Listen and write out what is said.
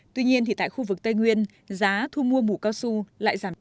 tuy nhiên tại khu vực tây nguyên giá thu mua mù cao su lại giảm